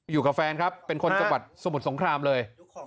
อยู่กับแฟนครับเป็นคนจังหวัดสมุทรสงครามเลย